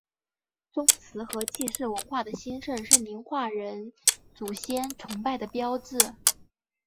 宗祠和祭祀文化的兴盛是宁化人祖先崇拜的标志。